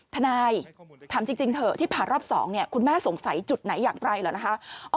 ทนายถามจริงเถอะที่ผ่ารอบ๒คุณแม่สงสัยจุดไหนอย่างไรเหรอนะคะ